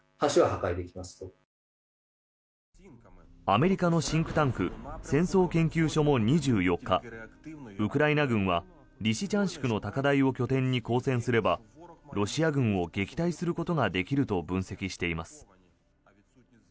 アメリカのシンクタンク戦争研究所も２４日ウクライナ軍はリシチャンシクの高台を拠点に抗戦すればロシア軍を撃退することができると分析しています。